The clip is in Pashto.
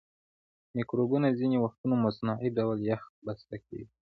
مکروبونه ځینې وختونه مصنوعي ډول یخ بسته کیږي.